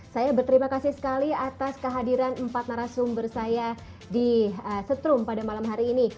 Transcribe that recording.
saya berterima kasih sekali atas kehadiran empat narasumber saya di setrum pada malam hari ini